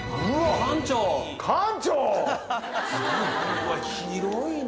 うわ広いね。